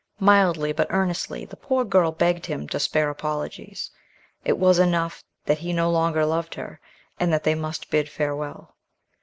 Mildly but earnestly the poor girl begged him to spare apologies. It was enough that he no longer loved her, and that they must bid farewell.